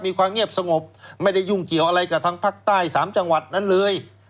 มีความเงียบสงบไม่ได้ยุ่งเกี่ยวอะไรกับทางภาคใต้๓จังหวัดนั้นเลย